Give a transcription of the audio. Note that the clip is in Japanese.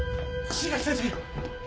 椎垣先生！